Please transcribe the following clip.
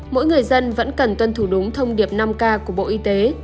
mỗi người dân vẫn cần tuân thủ đúng thông điệp năm k của bộ y tế